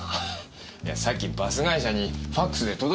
いやさっきバス会社にファクスで届いたんだよ。